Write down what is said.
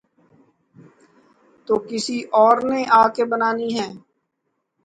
تو کسی اور نے آ کے بنانی ہیں۔